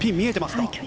ピン見えていますね。